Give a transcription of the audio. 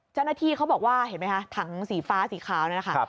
เจ้าหน้าที่เขาบอกว่าเห็นไหมคะถังสีฟ้าสีขาวนั่นนะคะ